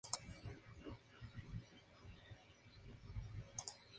Las herramientas de sofocación se utilizaran si la longitud de las llamas lo permiten.